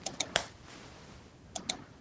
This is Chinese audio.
在欧美堪称旅行指南的代称。